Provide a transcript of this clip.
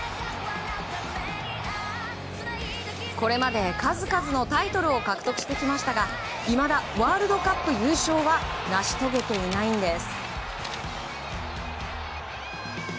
これまで数々のタイトルを獲得してきましたがいまだワールドカップ優勝は成し遂げていないんです。